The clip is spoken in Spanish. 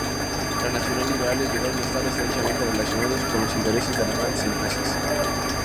Los nacional-liberales llegaron a estar estrechamente relacionados con los intereses de las grandes empresas.